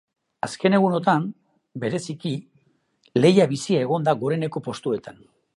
Azken egunotan, bereziki, lehia bizia egon da goreneko postuetan.